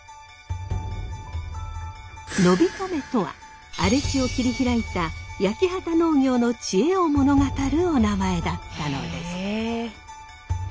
野火止とは荒れ地を切り開いた焼畑農業の知恵を物語るおなまえだったのです。